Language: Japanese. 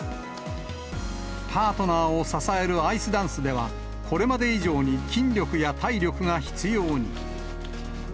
パートナーを支えるアイスダンスでは、これまで以上に筋力や体力が必要に。